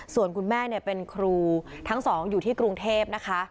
ส่วนคุณแม่เป็นครูทั้งสองอยู่ที่กรุงเทพนะคะ